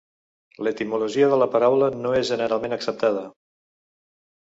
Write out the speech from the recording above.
L'etimologia de la paraula no és generalment acceptada.